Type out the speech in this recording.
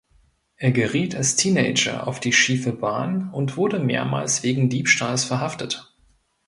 Er geriet als Teenager auf die schiefe Bahn und wurde mehrmals wegen Diebstahls verhaftet.